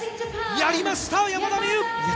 やりました、山田美諭！